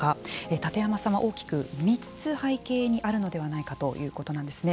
立山さんは大きく３つ背景にあるのではないかということなんですね。